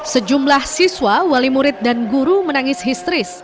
sejumlah siswa wali murid dan guru menangis histeris